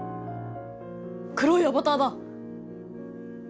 黒いアバターだ！